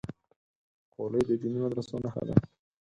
خولۍ د دیني مدرسو نښه ده.